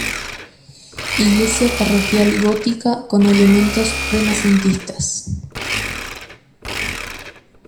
Iglesia parroquial gótica con elementos renacentistas.